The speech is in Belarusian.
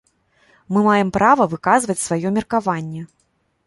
Мы маем права выказваць сваё меркаванне.